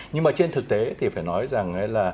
nhưng mà trên thực tế thì phải nói rằng